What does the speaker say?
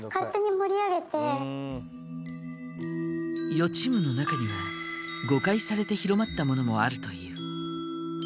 予知夢の中には誤解されて広まったものもあるという。